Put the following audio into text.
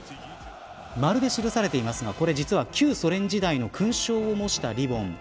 丸で記されていますがこれ実は、旧ソ連時代の勲章を模したリボン。